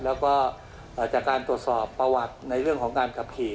แล้วก็จากการตรวจสอบประวัติในเรื่องของการขับขี่